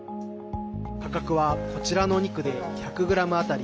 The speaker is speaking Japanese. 価格は、こちらのお肉で１００ｇあたり